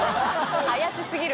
怪しすぎる。